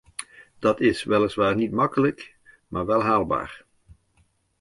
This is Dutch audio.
Dat is weliswaar niet makkelijk, maar wel haalbaar.